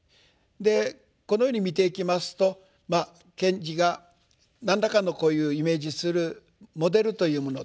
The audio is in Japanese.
このように見ていきますと賢治が何らかのこういうイメージするモデルというもの